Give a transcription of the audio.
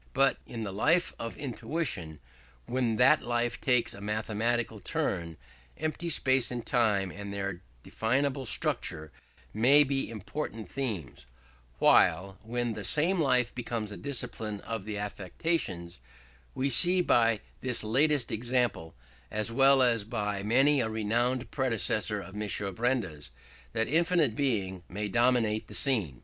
But in the life of intuition, when that life takes a mathematical turn, empty space and time and their definable structure may be important themes; while, when the same life becomes a discipline of the affections, we see by this latest example, as well as by many a renowned predecessor of M. Benda, that infinite Being may dominate the scene.